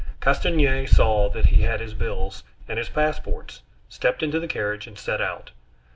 Castanier saw that he had his bills and his passports, stepped into the carriage, and set out.